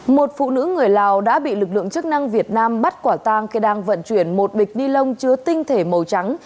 một phụ nữ người lào đã bị lực lượng chức năng việt nam bắt quả tang khi đang vận chuyển một bịch ni lông chứa tinh thể màu trắng